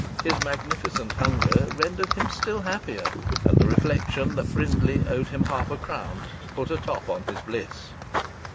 His magnificent hunger rendered him still happier. And the reflection that Brindley owed him half a crown put a top on his bliss!